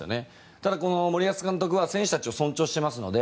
ただこの森保監督は選手たちを尊重していますので。